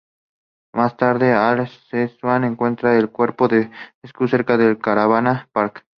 Más tarde Alf Stewart encuentra el cuerpo de Stu cerca del Caravan Park.